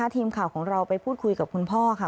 ทีมข่าวของเราไปพูดคุยกับคุณพ่อค่ะ